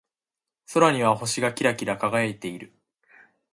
空には星がキラキラ輝いている。